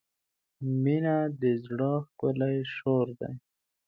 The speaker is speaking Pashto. • مینه د زړۀ ښکلی شور دی.